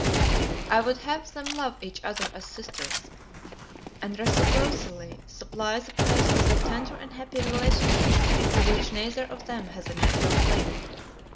I would have them love each other as sisters, and reciprocally supply the place of that tender and happy relationship to which neither of them has a natural claim.